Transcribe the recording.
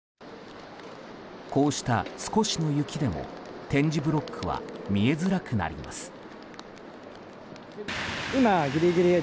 こうした少しの雪でも点字ブロックは見えづらくなります。